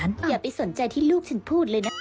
ความลับของแมวความลับของแมว